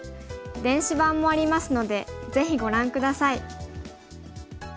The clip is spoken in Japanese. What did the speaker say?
電子版もありますのでぜひご覧下さい。